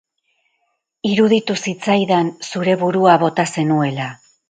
Iruditu zitzaidan zure burua bota zenuela.